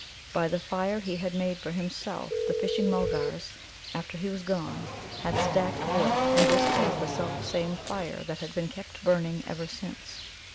By the fire he had made for himself the Fishing mulgars, after he was gone, had stacked wood, and this was the selfsame fire that had been kept burning ever since.